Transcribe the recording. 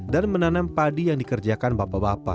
dan menanam padi yang dikerjakan bapak bapak